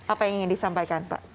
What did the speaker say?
apa yang ingin disampaikan pak